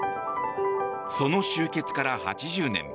その終結から８０年。